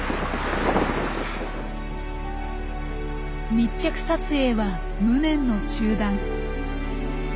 密着撮影は無念の中断。